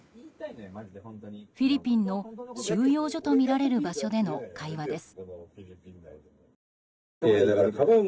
フィリピンの収容所とみられる場所での会話です。